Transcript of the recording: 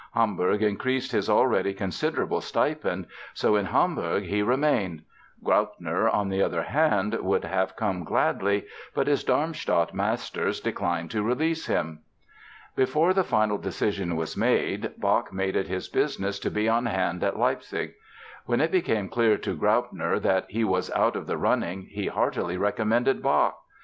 Hamburg increased his already considerable stipend, so in Hamburg he remained. Graupner, on the other hand, would have come gladly. But his Darmstadt masters declined to release him. Before the final decision was made, Bach made it his business to be on hand at Leipzig. When it became clear to Graupner that he was out of the running he heartily recommended Bach.